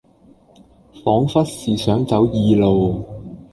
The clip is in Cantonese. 仿佛是想走異路，